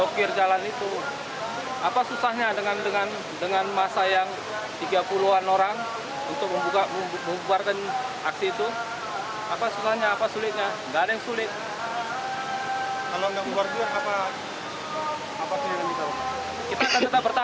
kita akan tetap bertahan di situ kita akan tetap bertahan dan kita gak tahu apa yang akan terjadi